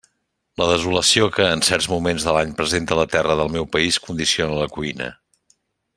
La desolació que en certs moments de l'any presenta la terra del meu país condiciona la cuina.